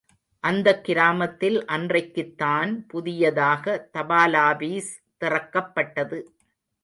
அந்தக் கிராமத்தில் அன்றைக்குத்தான் புதியதாக தபாலாபீஸ் திறக்கப்பட்டது.